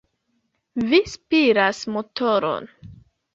Vi spiras motoron!